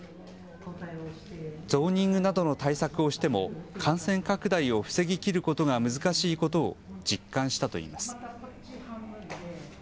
ゾーニングなどの対策をしても、感染拡大を防ぎ切ることが難しいことを実感したといいます。